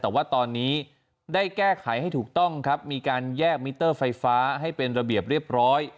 แต่ว่าตอนนี้ได้แก้ไขให้ถูกต้องครับมีการแยกมิเตอร์ไฟฟ้าให้เป็นระเบียบเรียบร้อย